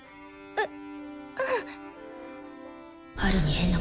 うっ！